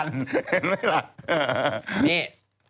นี่